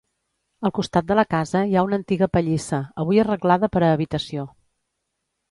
Al costat de la casa hi ha una antiga pallissa, avui arreglada per a habitació.